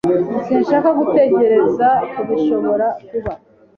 Sinshaka gutekereza kubishobora kuba.